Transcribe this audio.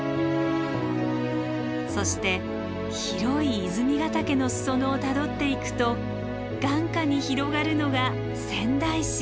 そして広い泉ヶ岳の裾野をたどっていくと眼下に広がるのが仙台市。